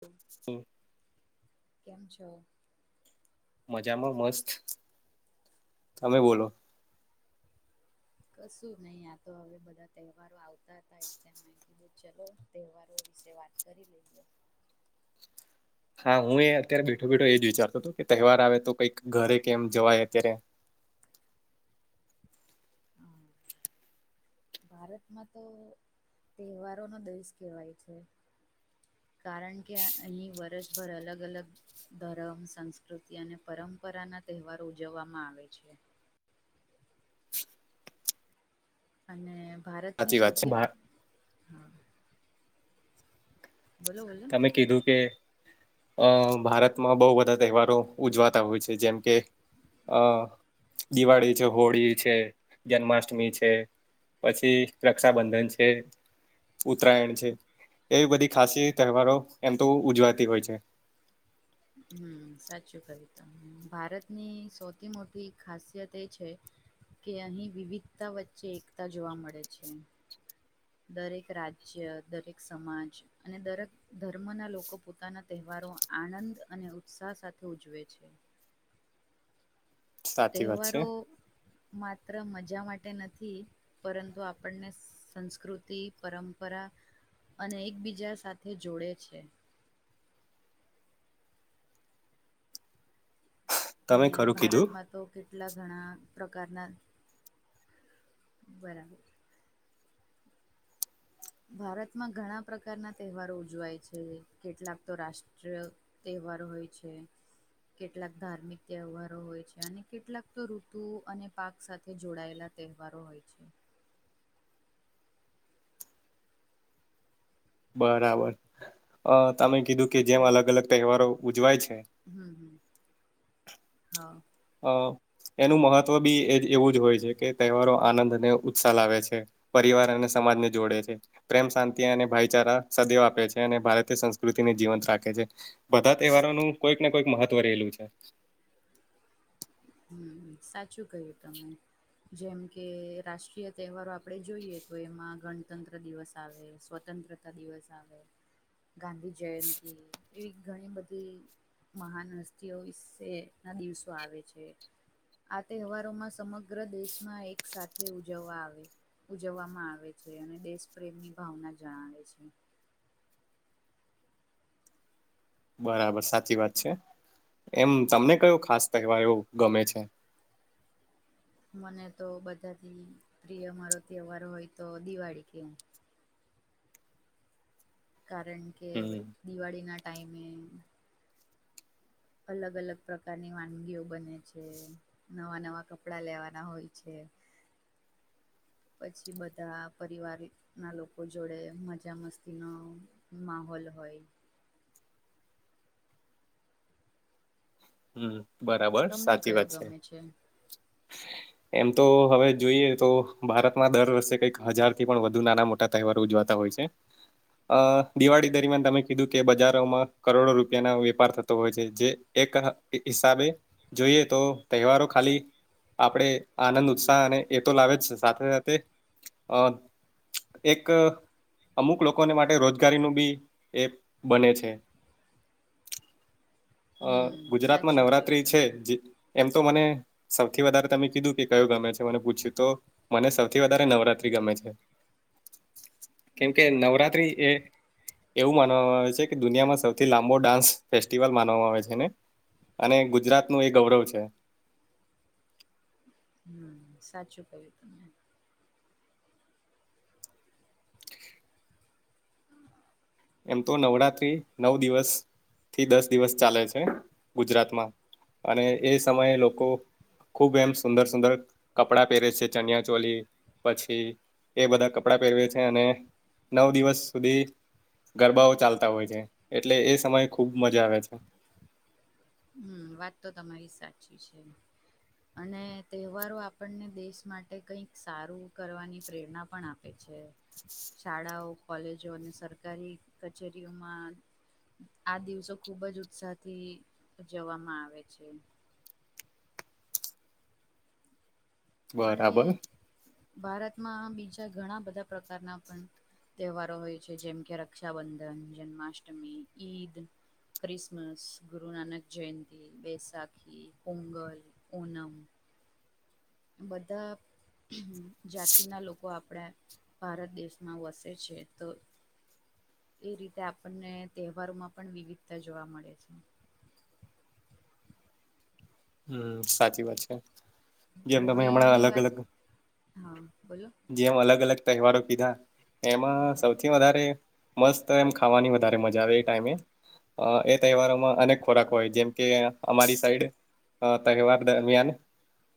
તો કેમ છો? મજામાં મસ્ત તમે બોલો? કશું નહી આતો હવે બધા તહેવારો આવતા હતા એટલે મેં એ ચલો તહેવારો વિશે વાત કરી લઈએ. હા હું એ અત્યારે બેઠો બેઠો એજ વિચારતો હતો, કે તહેવાર આવે તો કંઈક ઘરે કેમ જવાય અત્યારે. હા. ભારતમાંતો તહેવારોનો દિવસ કેવાય છે. કારણ કે, અહીં વર્ષભર અલગ અલગ ધરમ સંસ્કૃતિ અને પરંપરાના તહેવારો ઉજવવામાં આવે છે. અને ભારતની સાચી વાત સૌથી છે હા બોલો બોલો તમે કીધું કે અહ ભારતમાં બહુ બધા તહેવારો ઉજવાતા હોય છે, જેમ કે અહ દિવાળી છે, હોળી છે, જન્માષ્ટમી છે. પછી રક્ષાબંધન છે, ઉતરાયણ છે, એવી બધી ખાસી તહેવારો એમ તો ઉજવાતી હોય છે. હમ્મ સાચું કયું ત હમ્મ ભારતની સૌથી મોટી ખાસિયતએ છે કે અહીં વિવિધતા વચ્ચે એકતા જોવા મળે છે. દરેક રાજ્ય દરેક સમાજ અને દરેક ધર્મના લોકો પોતાના તહેવારો આનંદ અને ઉત્સાહ સાથે ઉજવે છે. સાચી વાત છે તહેવારો માત્ર મજા માટે નથી પરંતુ આપણને સંસ્કૃતિ પરંપરા અને એકબીજા સાથે જોડે છે. તમે અને ખરું કીધું ભારતમાં તો કેટલા ઘણા પ્રકારના બરાબર. ભારતમાં ઘણા પ્રકારના તહેવારો ઉજવાય છે, કેટલાક તો રાષ્ટ્રીય તહેવારો હોય છે. કેટલાક ધાર્મિક તહેવારો હોય છે, અને કેટલાક તો ઋતુ અને પાક સાથે જોડાયેલા તહેવારો હોય છે. બરાબરઅહ તમે કીધું કે જેમ અલગ અલગ તહેવારો ઉજવાય છે હમ્મ હમ્મ હા. અહ એનું મહત્વ બી એ એવું જ હોય છે, કે તહેવારો આનંદ અને ઉત્સાહ લાવે છે, પરિવાર અને સમાજ ને જોડે છે. પ્રેમ શાંતિ અને ભાઈચારા સદૈવ આપે છે, અને ભારતીય સંસ્કૃતિને જીવંત રાખે છે. બધા તહેવારોનું કોઈક ને કોઈક મહત્વ રહેલું છે. હમ્મ હમ્મ સાચું કહ્યું તમે. જેમ કે રાષ્ટ્રીય તહેવારો આપડે જોઈએ તો એમાં ગણતંત્ર દિવસ આવે સ્વતંત્ર આ દિવસ આવે ગાંધી જયંતી એવી ઘણી બધી મહાન હસ્તીઓ વિશેના દિવસો આવે છે. આ તહેવારોમાં સમગ્ર દેશમાં એક સાથે ઉજવવા આવે છે. ઉજવવામાં આવે છે અને દેશ પ્રેમની ભાવના જણાવે છે. બરાબર સાચી વાત છે. એમ તમને કયો ખાસ તહેવાયો ગમે છે? મને તો બધાથી પ્રિય મારો તહેવાર હોય તો દિવાળી કેવ કારણ કે હમ. દિવાળીના ટાઈમે અલગ અલગ પ્રકારની વાનગીઓ બને છે. નવા નવા કપડા લેવાના હોય છે. પછી બધા પરિવારીત ના લોકો જોડે મજા મસ્તીનો માહોલ હોય. હમ્મ, બરાબર. તમને સાચી કયો વાત ગમે છે. એમ તો હવે જોઈએ તો ભારતમાં દર વર્ષે કઈક હજાર થી પણ વધુ નાના મોટા તહેવાર ઉજવાતા હોય છે. અ દિવાળી દરમિયાન તમે કીધું કે, બજારોમાં કરોડો રૂપિયાનો વેપાર થતો હોય છે જે. એક હિસાબે જોઈએ તો, તહેવારો ખાલી. આપણેે આનંદ ઉત્સાહ અને એ તો લાવે જ સાથે સાથે અ. એક અમુક લોકોને માટે રોજગારીનું બી એ બને છે. અ હમ ગુજરાતમાં સાચું કહ્યું નવરાત્રી છે તમે જે. એમ તો મને સૌથી વધારે તમે કીધું કે કયું ગમે છે મને પૂછ્યું તો? મને સૌથી વધારે નવરાત્રી ગમે છે. કેમ કે બરાબર નવરાત્રી એ. એવું માનવામાં આવે છે કે દુનિયામાં સૌથી લાંબો ડાન્સ ફેસ્ટિવલ માન વામાં આવે છે ને અને ગુજરાતનું એ ગૌરવ છે. હમ્મ સાચું કહ્યું તમે. એમ તો નવરાત્રી નવ દિવસ થી દસ દિવસ ચાલે છે. ગુજરાતમાં અને એ સમયે લોકો. ખૂબ એમ સુંદર સુંદર કપડા પહેરે છે. ચનિયા ચોલી પછી. એ બધાં કપડાં પેરે છે અને નવ દિવસ સુધી. ગરબાઓ ચાલતા હોય છે. એટલે એ સમયે ખુબ મજા આવે છે. હમ્મ વાત તો તમારી સાચી છે. અને તહેવારો આપણને દેશ માટે કઈક સારું કરવાની. પ્રેરણા પણ આપે છે. શાળાઓ, કોલેજો, અને સરકારી કચેરીઓમાં. આ દિવસો ખુબ જ ઉત્સાહથી ઉજવામાં આવે છે. અને બરાબર ભારતમાં બીજા ઘણા બધા પ્રકારના પણ. તહેવારો હોય છે. જેમ કે રક્ષાબંધન, જન્માષ્ટમી, ઈદ. ક્રિસમસ, ગુરુનાનક જયંતી, બેૈસાખી, પોંગલ. પૂનમ બધા જાતિના લોકો આપણા ભારત દેશમાં વસે છે તો એ રીતે આપણને તહેવારોમાં પણ વિવિધતા જોવા મળે છે. હમ્મ સાચી વાત છે જેમ તમે હમણાં હોળીની અલગ વાત અલગ હા બોલો જેમ અલગ અલગ તહેવારો કીધા એમાં હા સૌથી વધારે મસ્ત એમ ખાવાની વધારે મજા આવે એ ટાઈમે એ તહેવારો અનેક ખોરાક હોય જેમકે અમારી સાઈડ તહેવાર દરમિયાન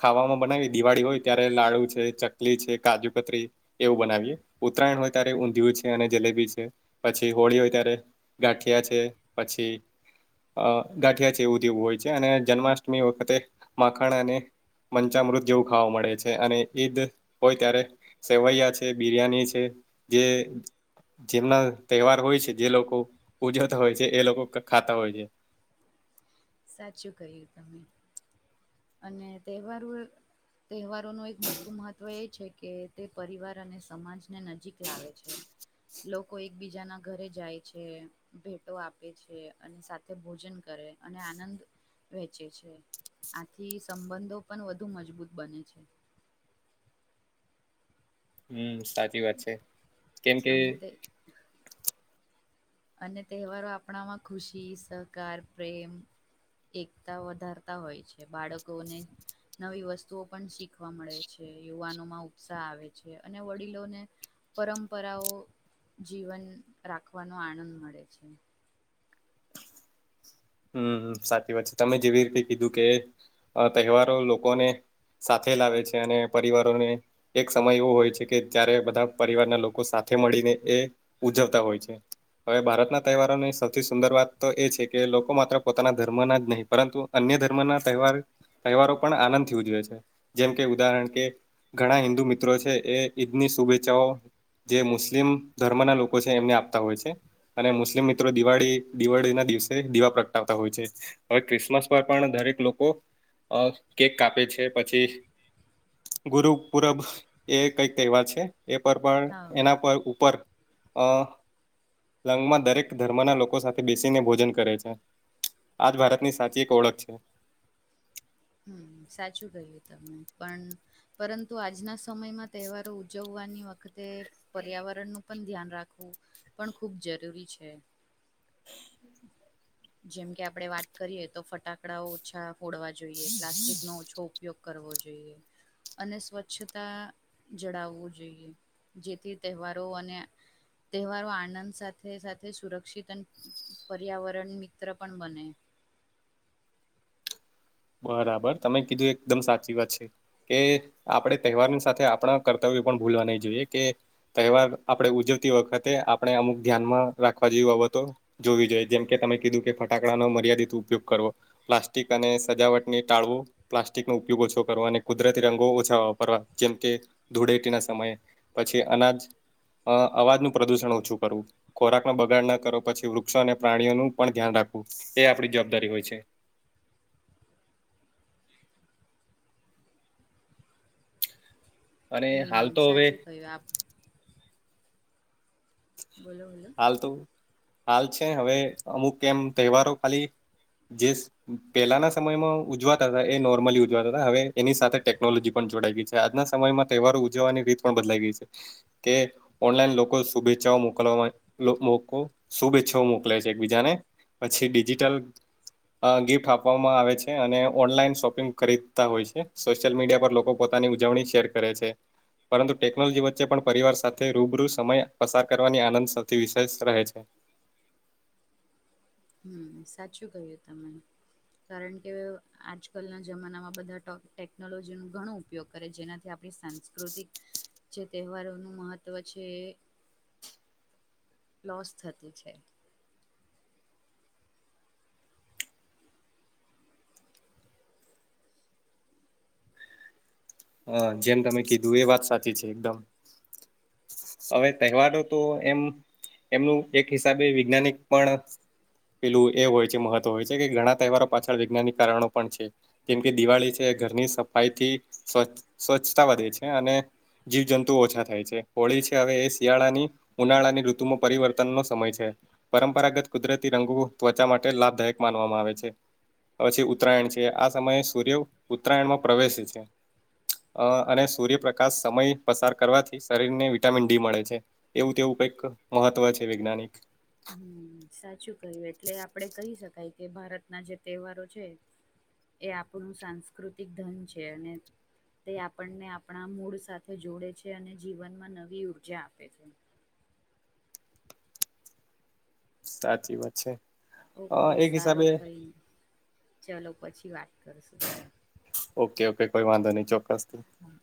ખાવામાં બનાવી દિવાળી હોય ત્યારે લાડુ છે, ચકલી છે, કાજુકતરી એવું બનાવીએ ઉત્તરાયણ હોય ત્યારે ઊંધિયું છે અને જલેબી છે. પછી હોળી હોય ત્યારે ગાંઠિયા છે પછી અ ગાંઠિયા છે એવું જેવું હોય છે અને જન્માષ્ટમી વખતે માખાણા અને પંચામૃત જેવું ખાવા મળે છે અને ઈદ હોય ત્યારે સેવૈયા છે બિરિયાની છે જે જેમના તહેવાર હોય છે જે લોકો ઉજવતા હોય છે એ લોકો ખાતા હોય છે સાચું ક્યું તમે અને તહેવાર તહેવારો નો એક મોટું મહત્વ એ છે કે તે પરિવાર અને સમાજને નજીક લાવે છે લોકો એકબીજા ના ઘરે જાય છે ભેટો આપે છે અને સાથે ભોજન કરે અને આનંદ વહેચે છે આથી સંબંધો પણ વધુ મજબૂત બને છે હમ સાચી વાત છે કેમ કે અને તે અને તહેવારો આપણામાં ખુશી સહકાર પ્રેમ એકતા વધારતા હોય છે બાળકોને નવી વસ્તુઓ પણ શીખવા મળે છે યુવાનો માં ઉત્સાહ આવે છે અને વડીલોને પરંપરાઓ જીવન રાખવાનો આનંદ મળે છે હમ સાચી વાત છે તમે જેવી રીતે કીધું કેઅ તહેવારો લોકોને સાથે લાવે છે અને પરિવારોને એક સમય એવો હોય છે કે જારે બધા પરિવારના લોકો સાથે મળીને એ ઉજવતા હોય છે હવે ભારતના તહેવારોની સૌથી સુંદર વાત તો એ છે કે માત્ર પોતાના ધર્મના જ નહીં પરંતુ અન્ય ધર્મના તહેવાર તહેવારો પણ આનંદથી ઉજવે છે જેમ કે ઉદાહરણ કે ઘણા હિન્દુ મિત્રો છે એ ઈદની શુભેચ્છાઓ જે મુસ્લિમ ધર્મ ના લોકો છે તેમને આપતા હોય છે અને મુસ્લિમ મિત્રો દિવાળી દિવાળી ના દિવસે દિવા પ્ર હોય છે હવે ક્રિસમસ પર પણ દરેક લોકો અ કેક કાપે છે પછી ગુરુ પૂરબ એ કઈક તહેવાર છે એ પર પણ હા એના પર ઉપર અ લંગમાં દરેક ધર્મના લોકો સાથે બેસીને ભોજન કરે છે આજ ભારતની સાચી એક ઓળખ છે હમ સાચું કહ્યું તમને પણ પરંતુ આજના સમયમાં તહેવારો ઉજવવાની વતે તે પર્યાવરણનું પણ ધ્યાન રાખવું પણ ખૂબ જરૂરી છે જેમ કે આપણે વાત કરીએ તો ફટાક ડાઓ ઓછા ફોડવા જોઈએ પ્લાસ્ટિક નો ઓછો ઉપયોગ કરવો જોઈએ અને સ્વચ્છતા જળાવવું જોઈએ જેથી તહેવારો અને તહેવારો આનંદ સાથે સાથે સુરક્ષિત અને પર્યાવરણ મિત્ર પણ બને બરાબર તમે કીધું એકદમ સાચી વાત છે કે આપણે તહેવારની સાથે આપણા કર્તવ્ય પણ ભૂલવા નહી જોઈએ કે તહેવાર આપણે ઉજવતી વખતે આપણે અમુક ધ્યાન માં રાખવા જેવી બાબતો જોવી જોઈએ જેમકે તમે કીધું કે ફટાકડાનો મર્યાદિત ઉપયોગ કરવો પ્લાસ્ટિક અને સજાવટને ટાળવો પ્લાસ્ટિકનો ઉપયોગ ઓછો કરવા અને કુદરતી રંગો ઓછા વાપરવા જેમ કે ધૂળેટી ના સમયે પછી અનાજ અ અવાજનું પ્રદુષણ ઓછું કરવું ખોરાક નો બગાડ ના કરો પછી વૃક્ષો અને પ્રાણીઓનું પણ ધ્યાન રાખવું એ આપણી જવાબદારી હોય છે [inaudible] અને હાલ હમ તો હવે સાચું કયું આપ બોલો બોલો હાલ તો હાલ છે હવે અમુક એમ તહેવારો ખાલી જે પેલાના સમયમાં ઉજવાતા હતા એ નોર્મલી ઉજવાતા હતા હવે એની સાથે ટેકનોલોજી જોડા ગઈ છે આજના સમયમાં તહેવારો ઉજવવાની રીત પણ બદલાઈ ગઈ છે કે ઓનલાઈન લોકો શુભેચ્છાઓ મોકલવામાં લોકો શુભેચ્છાઓ મોકલે છે એકબીજાને પછી ડિજિટલ ગિફ્ટ આપવામાં આવે છે અને ઓનલાઈન શોપિંગ ખરીદતા હોય છે સોશિયલ મીડિયા પર લોકો પોતાની ઉજવણી શેર કરે છે. પરંતુ ટેકનોલોજી વચ્ચે પણ પરિવાર સાથે રૂબરૂ સમય પસાર કરવાની આનંદ સૌથી વિશેષ રહે છે. હમ સાચું કહ્યું તમે કારણ કે આજકાલના જમાનામાં બધા ટો ટેકનોલોજીનું ઘણું ઉપયોગ કરે જેનાથી આપણી સાંસ્કૃતિક જે તહેવારોનું મહત્વ છે. લોસ થતું છે. હ જેમ તમે કીધું એ વાત સાચી છે એકદમ હવે તહેવારો તો એમ એમનું એક હિસાબે વૈજ્ઞાનિક પણ પેલું એ હોય છે મહત્વ હોય છે કે ઘણા તહેવારો પાછળ વૈજ્ઞાનિક કારણો પણ છે. જેમ કે દિવાળી છે ઘરની સફાઈ થી સ્વચછ સ્વચ્છતા વધે છે અને જીવ જંતુ ઓછા થાય છે હોળી હવે એ શિયાળાની ઉનાળાની ઋતુમાં પરિવર્તનનો સમય છે. પરંપરાગત કુદરતી રંગો ત્વચા માટે લાભદાયક માનવામાં આવે છે. પછી ઉત્તરાયણ છે આ સમયે સૂર્ય ઉત્તરાયણમાં પ્રવેશે છે. અ અને સૂર્યપ્રકાશ સમય પસાર કરવાથી શરીરને વી વિટામિન ડી મળે છે એવું તેવું કઈક મહત્વ છે વૈજ્ઞાનિક હમ સાચું કહ્યું એટલે આપડે કહી શકાય કે ભારતના જે તહેવારો છે. એ આપણું સાંસ્કૃતિક ધન છે અને તે આપણા મૂળ સાથે જોડે છે અને જીવનમાં નવી ઉર્જા આપે છે. સાચી વાત છે. અ ઓકે એક હિસાબે સારું કઈ ચલો પછી વાત કરશું. ઓકે ઓકે કોઈ વાંધો નહી ચોક્કસથી. હમ